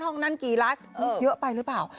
ห้องนั้นกี่ล้านเยอะไปหรือเปล่า